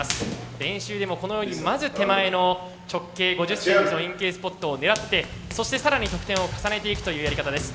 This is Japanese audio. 練習でもこのようにまず手前の直径５０ｃｍの円形スポットを狙ってそして更に得点を重ねていくというやり方です。